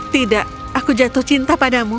tidak aku jatuh cinta padamu